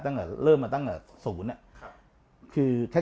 ต่อไปเริ่มมาตั้งแต่ศูนย์